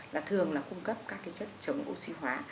là thường là cung cấp các cái chất chống oxy hóa